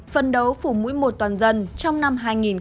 phân đấu phủ mũi một toàn dân trong năm hai nghìn hai mươi